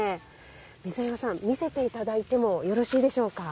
水山さん、見せていただいてもよろしいでしょうか。